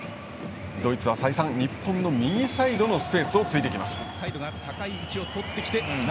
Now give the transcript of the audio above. ドイツは再三、日本の右サイドのスペースを突いてきます。